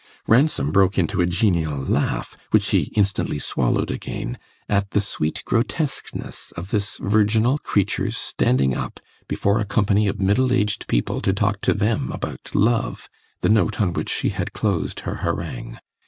Ransom broke into a genial laugh, which he instantly swallowed again, at the sweet grotesqueness of this virginal creature's standing up before a company of middle aged people to talk to them about "love," the note on which she had closed her harangue.